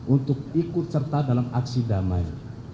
untuk ikut serta dalam aksi damai